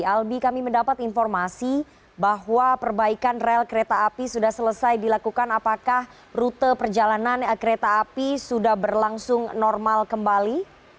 albi kami mendapat informasi bahwa perbaikan rel kereta api sudah selesai dilakukan apakah rute perjalanan kereta api sudah berlangsung normal kembali